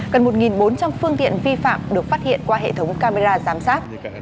gần một bốn trăm linh phương tiện vi phạm được phát hiện qua hệ thống camera giám sát